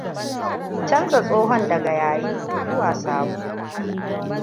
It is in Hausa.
Canza tsohon daga yayi zuwa sabo.